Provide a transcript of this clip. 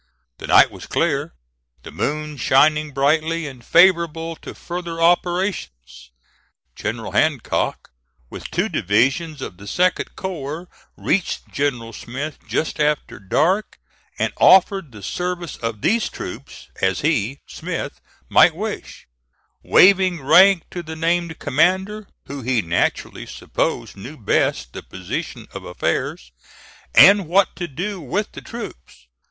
The night was clear the moon shining brightly and favorable to further operations. General Hancock, with two divisions of the 2d corps, reached General Smith just after dark, and offered the service of these troops as he (Smith) might wish, waiving rank to the named commander, who he naturally supposed knew best the position of affairs, and what to do with the troops.